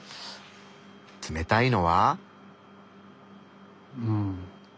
冷たいのは？